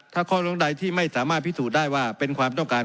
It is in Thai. ถ้าข้อลงใดที่ไม่สามารถพิสูจน์ได้ว่าเป็นความต้องการ